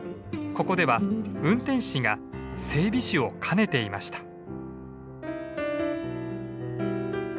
ここでは運転士が整備士を兼ねていました。